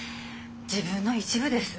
自分の一部です。